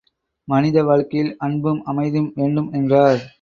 மனித வாழ்க்கையில் அன்பும் அமைதியும் வேண்டும் என்றார்.